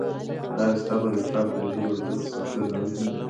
ایا ستا په لیپټاپ کي د ژبو د زده کړې سافټویر نوی دی؟